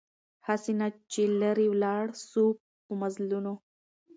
هسي نه چي لیري ولاړ سو په مزلونو